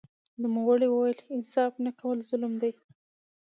نوموړي وویل انصاف نه کول ظلم دی